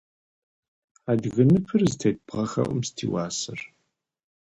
Адыгэ ныпыр зытет бгъэхэӏум сыт и уасэр?